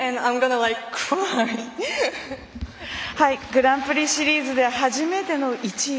グランプリシリーズで初めての１位。